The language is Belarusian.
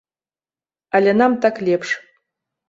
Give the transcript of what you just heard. Але нам так лепш.